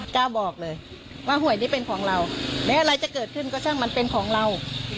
กล้าบอกเลยว่าหวยนี้เป็นของเราแม้อะไรจะเกิดขึ้นก็ช่างมันเป็นของเรา